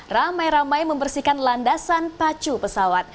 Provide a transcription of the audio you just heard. ramai ramai membersihkan landasan pacu pesawat